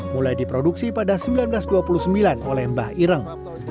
mulai diproduksi pada seribu sembilan ratus dua puluh sembilan oleh mbah ireng